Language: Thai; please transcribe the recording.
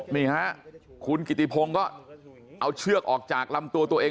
นี่ฮะคุณกิติพงศ์ก็เอาเชือกออกจากลำตัวตัวเอง